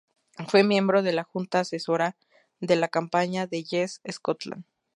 Fue miembro de la junta asesora de la campaña de Yes Scotland.